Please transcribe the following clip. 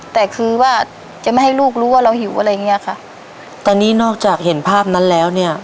แต่คือว่าจะไม่ให้ลูกรู้ว่าเราหิวอะไรอย่างเงี้ยค่ะตอนนี้นอกจากเห็นภาพนั้นแล้วเนี่ย